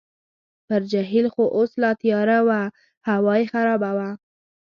پر جهیل خو اوس لا تیاره وه، هوا یې خرابه وه.